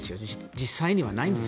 実際にはないんです。